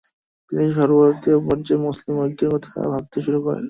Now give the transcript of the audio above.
তিনি সর্বভারতীয় পর্যায়ে মুসলিম ঐক্যের কথা ভাবতে শুরু করেন।